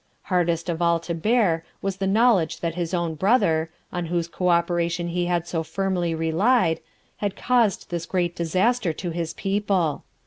Hardest of all to bear was the knowledge that his own brother, on whose co operation he had so firmly relied, had caused this great disaster to his people.